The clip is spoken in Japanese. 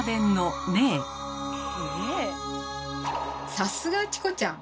さすがチコちゃん！